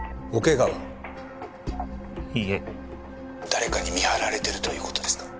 「誰かに見張られてるという事ですか？」